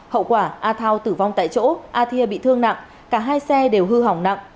hậu quả a thao tử vong tại chỗ a thia bị thương nặng cả hai xe đều hư hỏng nặng